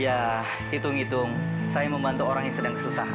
ya hitung hitung saya membantu orang yang sedang kesusahan